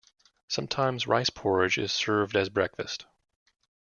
Sometimes rice porridge is served as breakfast.